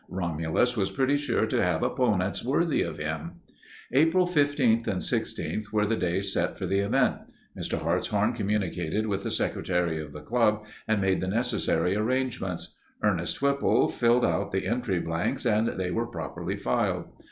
Romulus was pretty sure to have opponents worthy of him. April 15th and 16th were the days set for the event. Mr. Hartshorn communicated with the secretary of the club and made the necessary arrangements. Ernest Whipple filled out the entry blanks and they were properly filed.